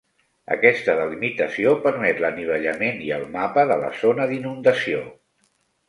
Aquesta delimitació permet l'anivellament i el mapa de la zona d'inundació.